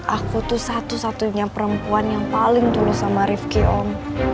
aku tuh satu satunya perempuan yang paling dulu sama rifki om